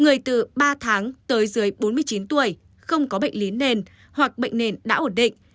người từ ba tháng tới dưới bốn mươi chín tuổi không có bệnh lý nền hoặc bệnh nền đã ổn định